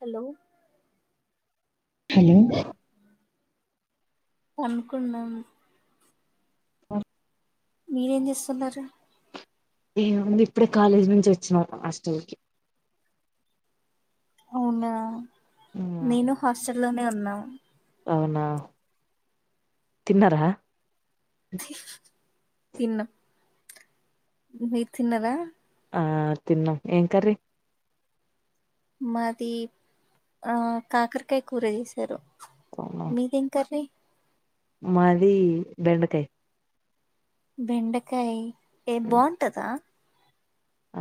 Hello hello పండ్కున్నాం మీరేం జేస్తున్నరు ఏముంది ఇప్పుడే కాలేజ్ నుంచి వొచ్చిన హాస్టల్ కీ అవునా నేను హాస్టల్లోనే ఉన్నా అవునా తిన్నరా తిన్న మీర్ తిన్నరా ఆ తిన్నం ఏం కర్రీ మాది ఆ కాకరకాయ కూర జేసారు అవునా, మీదేం కర్రీ మాది బెండకాయ్ బెండకాయ్ ఏ బాగుంటదా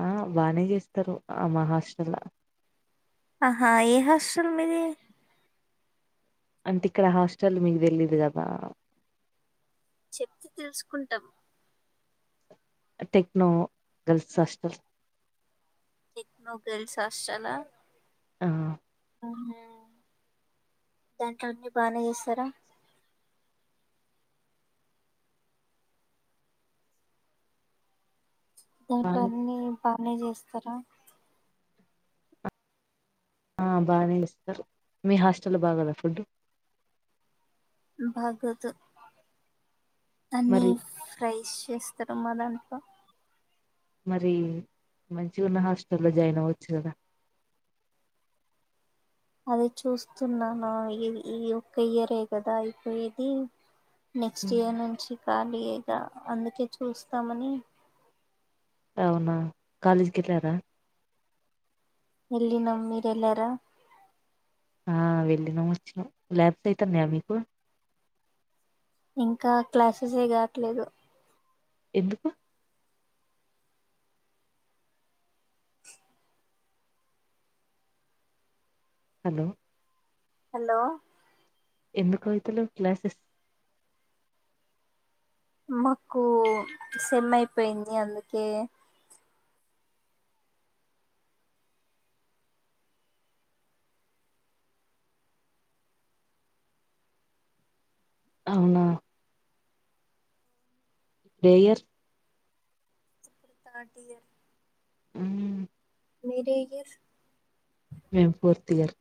ఆ బానే జేస్తారు అ మా హాస్టల్ల ఆహా ఏ హాస్టల్ మీది అంటే ఇక్కడ హాస్టల్ మీక్ దెలీదు కదా ట్టం techno girls hostel techno girls హస్టలా ఆహ్ అవునా దాంట్లో అన్ని బానే జేస్తారా దాంట్లో బానే అన్నీ బానే చేస్తారా ఆ బానే జేస్తారు మీ హాస్టల్లో బాగోదా ఫుడ్ బాగొదు అన్ని మరి ఫ్రైస్ చేస్తారు మా దా మరీ మంచిగున్న హాస్టలో జాయిన్ అవొచ్చు గదా అదే చూస్తున్నాను ఈ ఈ ఒక్క ఇయరే గదా అయిపోయేది నెక్స్ట్ ఇయర్ నుంచి ఖాళీ ఏగా అందుకే చూస్తామని అవునా కాలేజ్కెళ్ళారా వెల్లినం మీరెల్లార ఆ వెళ్ళినం వచ్చినం లాబ్ట్ అయితన్నాయా మీకు ఇంకా క్లాసెసే గాట్లేదు ఎందుకు హలో హలో ఎందుకైతలేవ్ క్లాసెస్ మాకు సెమ్ అయిపోయింది అందుకే ఔనా ఏ ఇయర్ ఇప్పుడు థర్డ్ ఇయర్ ఉమ్ మీరే ఇయర్ మేం ఫోర్త్ ఇయర్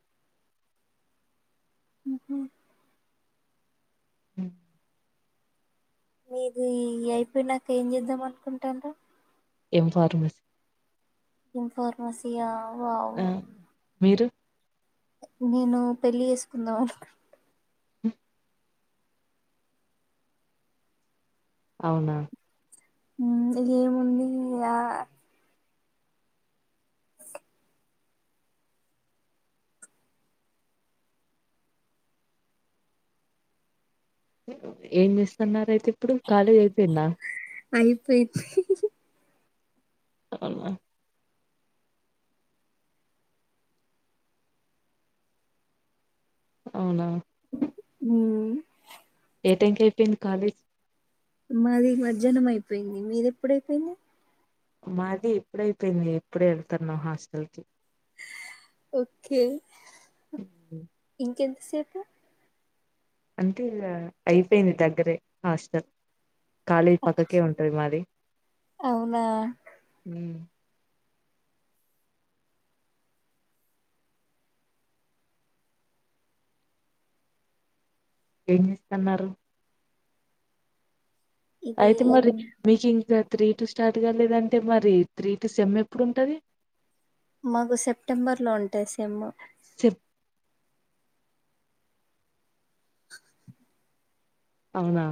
ఉహ్ హ్ మీదీ ఇ అయిపోయినాక ఏం జేద్దాం అనుకుంటాండ్రు ఏమ్ ఫార్మసి ఎమ్ ఫార్మసియా వావ్ ఆ మీరు నేను పెళ్లి ఏసుకుందాం అనుకున్ ఔనా ఉమ్ ఇగ ఏముంది ఆ ఏం జెస్తన్నారయితే ఇప్పుడు కాలేజ్ అయిపోయింద అయిపోయింది ఔనా ఔనా ఉమ్ ఏ టైంకైపోయింది కాలేజ్ మాది మజ్యహ్నం అయిపోయింది మీదేప్పుడైపోయింది మాది ఇప్పుడైపోయింది ఇప్పుడే వెళ్తన్నా హాస్టల్ కి ఓకే మ్మ్. ఇంకెంతసేపు అంటే ఇగా అయిపోయింది దగ్గరే హాస్టల్ కాలేజ్ పక్కకే ఉంటది మాది అవునా ఏం చేస్తన్నారు ఇది అయితే మరి మీకు ఇంకా త్రీ టు స్టార్ట్ కాలదంటే మరి త్రీ టు సెమ్ ఎప్పుడు ఉంటది మాకు సెప్టెంబర్ లో ఉంటాయి సెమ్ చెప్ అవునా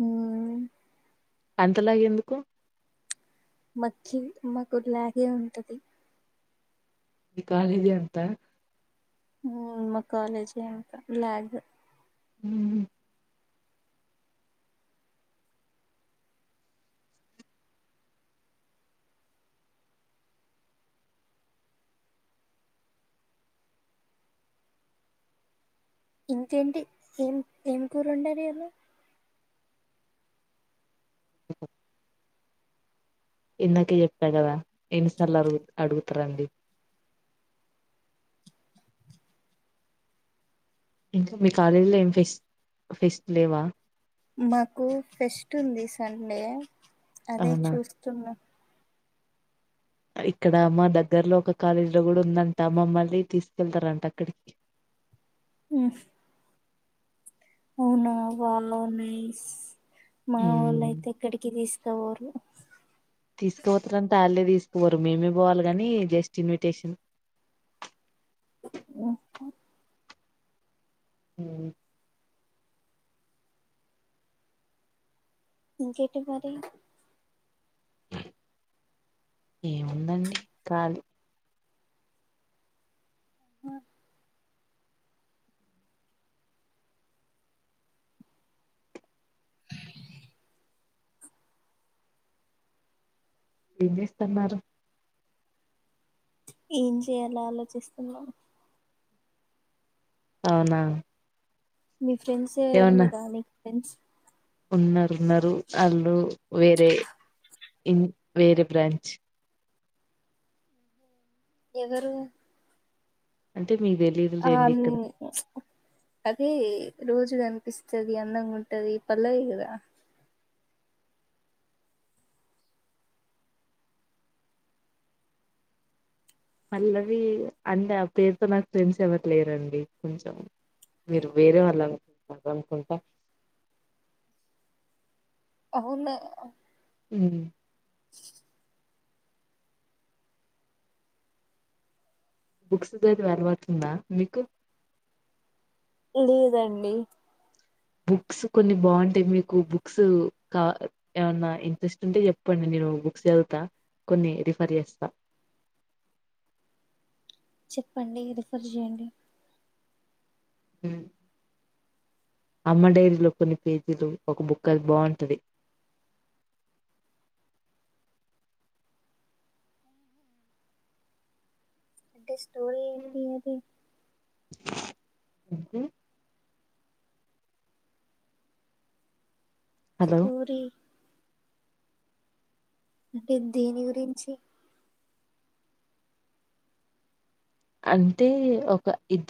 ఉ అంత లాగ్ ఎందుకు మకిి మాకు లాగే ఉంటది మి కాలేజి అంత ఉ మా కాలేజీ అంత లాగ్ హుమ్మ్ ఇంకేంటి ఏం ఏం కూర వండారు ఇయాళ ఇందాకే చెప్ప కదా ఎన్నిసార్లు అడుగు అడుగుతారండి ఇంకా మీ కాలేజీలో ఏం ఫెస్ట్ ఫెస్ట్ లేవా మాకు ఫెస్ట్ ఉంది సండే అదే అవునా చూస్తున్నా ఇక్కడ మా దగ్గర్లో ఒక కాలేజీ లో కూడా ఉందంట మమ్మల్ని తీసుకెళ్తారంట అక్కడికి ఉమ్ అవునా వాళ్ళో నైస్ మా వాళ్ళ ఉమ్ అయితే ఎక్కడికి తీస్ క పోరు తీసుకుపోతారంటే ఆళ్లే తీసుకోవరు మేమే పోవాలి కాని జస్ట్ ఇన్విటేషన్ ఇంక ఉ ఇంకేంటి మరి ఏముందండి కాళీ ఎం చేస్తన్నారు ఏం చేయాల ఆలోచిస్తున్నా అవునా మీ ఫ్రెండ్స్ ఎవరు లేదా నీకు ఫ్రెండ్స్ ఉన్నారున్నారు వాళ్ళు వేరే ఇన్ వేరే బ్రాంచ్ ఎవరు అంటే మీ ఆ తెలిదులెండి ఇక్కడ అదే రోజు గనిపిస్తది అందంగా ఉంటది పల్లవి కదా పల్లవి అంటే ఆ పేరుతో నాకు ఫ్రెండ్స్ ఎవ్వరు లేరండి కొంచెం మీరు వేరే వాళ్ళు అనుకుంటున్నారు అనుకుంటా అవున్న మ్ బుక్స్ చదివే అలువాటుందా మీకు లేదండి బుక్స్ కొన్ని బాగుంటాయి మీకు బుక్స్ కా ఏమన్నా ఇంట్రెస్ట్ ఉంటే చెప్పండి నీనో బుక్స్ చదువుతా కొన్ని రిఫర్ చేస్తా చెప్పండి రెఫెర్ చెయ్యండి ఉ అమ్మ డైరీలో కొన్ని పేజీలు ఒక బుక్కది బా ఉంటది అంటే స్టోరీ ఏంటి అది హలో స్టోరి అంటే దేని గురించి అంటే ఒక ఇద్ద